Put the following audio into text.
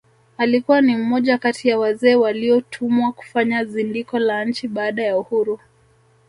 Alikuwa ni mmoja kati ya wazee waliotumwa kufanya zindiko la nchi baada ya uhuru